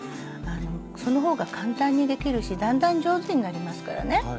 その方が簡単にできるしだんだん上手になりますからね。